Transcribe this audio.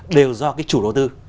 đều do cái chủ đầu tư